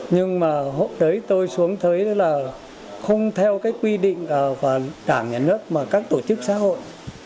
nhưng mà hôm đấy tôi xuống thấy là không theo cái quy định của đảng nhà nước mà các tổ chức xã hội